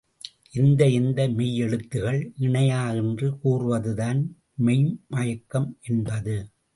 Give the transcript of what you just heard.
எந்த எந்த மெய்யெழுத்துகள் இணையா என்று கூறுவதுதான் மெய்ம்மயக்கம் என்பது.